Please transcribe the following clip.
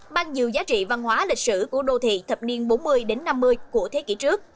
bằng nhiều giá trị văn hóa lịch sử của đô thị thập niên bốn mươi năm mươi của thế kỷ trước